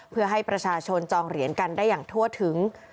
เพื่อให้ประชาชนจองเหรียญกันได้อย่างทั่วถึง